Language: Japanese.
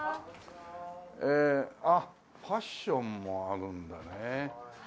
あっファッションもあるんだね。